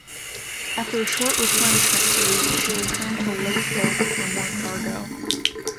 After a short replenishment cruise, she returned to Leyte Gulf for more cargo.